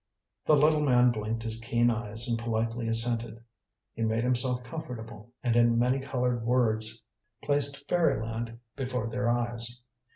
The little man blinked his keen eyes and politely assented. He made himself comfortable, and in many coloured words placed fairy land before their eyes.